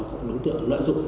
để cho các đối tượng lợi dụng